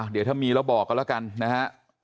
เดี๋ยวถ้ามีเราบอกกันแล้วกันนะครับ